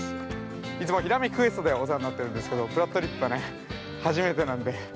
いつも「ひらめきクエスト」でお世話になってるんですけど「ぷらっとりっぷ」は初めてなんで。